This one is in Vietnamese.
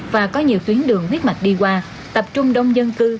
và có nhiều tuyến đường huyết mạch đi qua tập trung đông dân cư